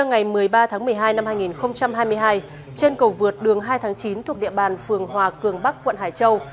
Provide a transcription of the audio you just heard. ngày một mươi ba tháng một mươi hai năm hai nghìn hai mươi hai trên cầu vượt đường hai tháng chín thuộc địa bàn phường hòa cường bắc quận hải châu